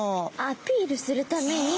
アピールするために。